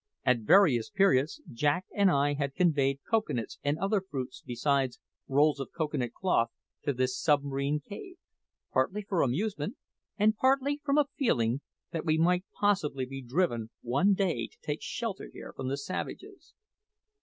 At various periods Jack and I had conveyed cocoa nuts and other fruits, besides rolls of cocoa nut cloth, to this submarine cave, partly for amusement, and partly from a feeling that we might possibly be driven one day to take shelter here from the savages.